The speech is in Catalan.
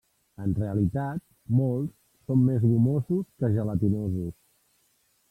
En realitat, molts són més gomosos que gelatinosos.